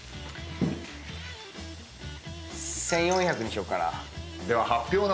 １，４００にしようかな。